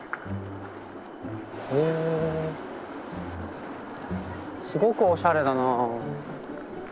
へえすごくおしゃれだな。